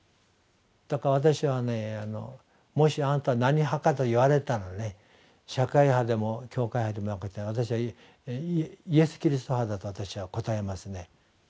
だから私はもしあなたは何派か？と言われたら社会派でも教会派でもなくて「イエス・キリスト派だ」と私は答えますね。